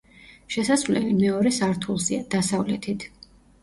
შესასვლელი მეორე სართულზეა, დასავლეთით.